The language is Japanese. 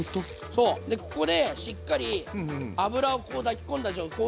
そうでここでしっかり油をこう抱き込んだ状態